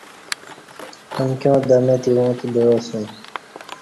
امکیاں دمہ تی اُݩڅ بعاسوم